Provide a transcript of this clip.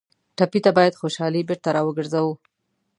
ټپي ته باید خوشالي بېرته راوګرځوو.